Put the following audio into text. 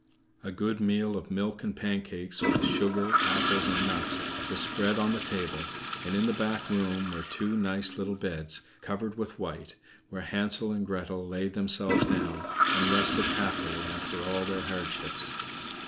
A good meal of milk and pancakes, with sugar, apples and nuts, was spread on the table, and in the back room were two nice little beds, covered with white, where Hansel and Gretel laid themselves down, and rested happily after all their hardships.